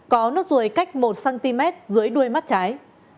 có nốt ruồi cách một cm dưới đuôi mắt trái